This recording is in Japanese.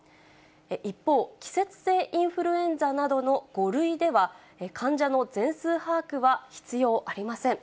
一方、季節性インフルエンザなどの５類では、患者の全数把握は必要ありません。